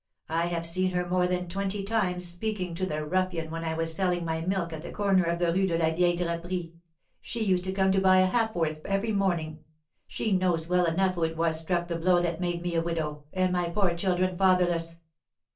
I have seen her more than twenty times speaking to the ruffian when I was selling my milk at the corner of the Rue de la Vieille Draperie; she used to come to buy a ha'porth every morning. She knows well enough who it was struck the blow that made me a widow, and my poor children fatherless.